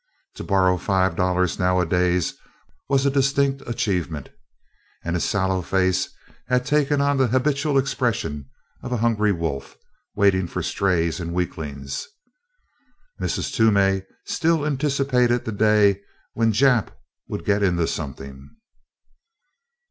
To borrow five dollars nowadays was a distinct achievement, and his sallow face had taken on the habitual expression of a hungry wolf waiting for strays and weaklings. Mrs. Toomey still anticipated the day when "Jap would get into something."